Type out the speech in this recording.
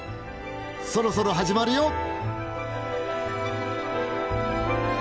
そろそろ始まるよ！